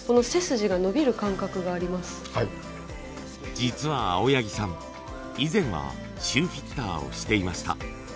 実は青柳さん以前はシューフィッターをしていました。